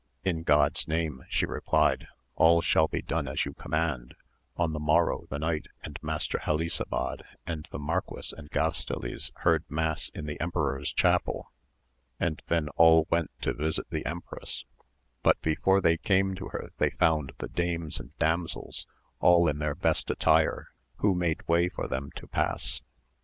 In God's name, she replied, all shall be done as you command, on the mjDrrow the knight and Master Helisabad and the marquis and Gastiles heard mass in the emperor's chapel, and then all went to visit the empress, but before they came to her they found the dames and damsels all in their best attire who made way for them to pass.